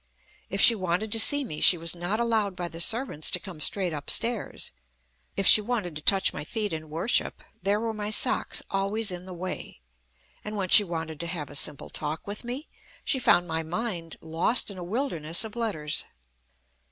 If she wanted to see me, she was not allowed by the servants to come straight upstairs. If she wanted to touch my feet in worship, there were my socks always in the way. And when she wanted to have a simple talk with me, she found my mind lost in a wilderness of letters.